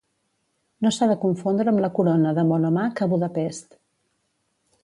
No s'ha de confondre amb la corona de Monomakh a Budapest.